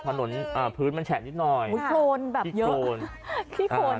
ผ้าหนนอ่าพื้นมันแฉะนิดหน่อยโคลนแบบเยอะที่โคลนเยอะมาก